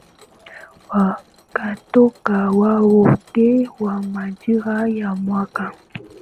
wakatoka wowote wa majira ya mwaka